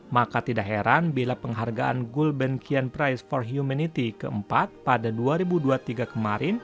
maka tidak heran bila penghargaan gulbenkian prize for humanity ke empat pada dua ribu dua puluh tiga